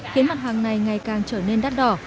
khiến mặt hàng này ngày càng trở nên đắt đỏ